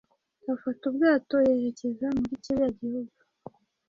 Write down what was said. afata ubwato yerekeza muri kiriya gihugu